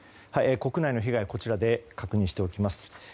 国内の被害をこちらで確認しておきます。